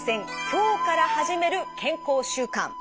きょうから始める健康習慣」。